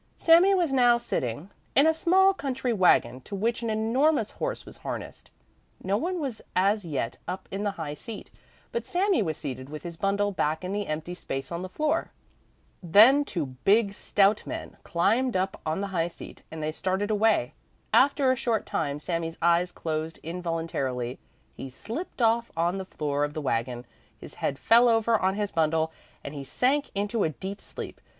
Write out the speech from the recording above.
Sami was now sitting in a small country wagon to which an enormous horse was harnessed. No one was as yet up in the high seat, but Sami was seated with his bundle back in the empty space on the floor. Then two big, stout men climbed up on the high seat, and they started away. After a short time Sami's eyes closed involuntarily, he slipped off on the floor of the wagon, his head fell over on his bundle, and he sank into a deep sleep.